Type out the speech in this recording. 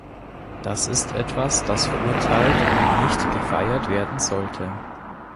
Das ist etwas, das verurteilt und nicht gefeiert werden sollte.